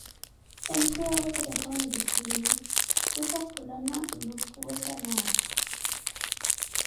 Enkiweevo telefone ti twiiye, khuttakhukana nlupuwe zanapo.